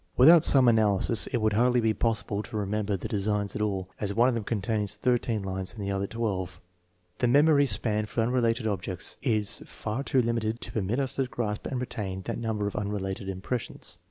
With out some analysis it would hardly be possible to remember TEST NO. X, S 201 the designs at all, as one of them contains thirteen lines and the other twelve. The memory span for unrelated objects is far too limited to permit us to grasp and retain that number of unrelated impressions.